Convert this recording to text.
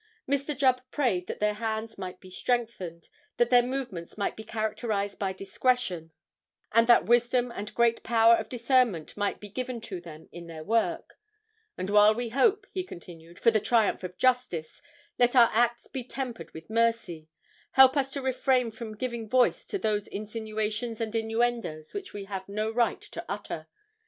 Mr. Jubb prayed that their hands might be strengthened, that their movements might be characterized by discretion, and that wisdom and great power of discernment might be given to them in their work. "And while we hope," he continued, "for the triumph of justice, let our acts be tempered with mercy. Help us to refrain from giving voice to those insinuations and innuendoes which we have no right to utter.